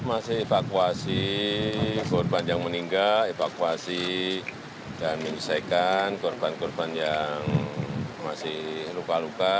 masih evakuasi korban yang meninggal evakuasi dan menyelesaikan korban korban yang masih luka luka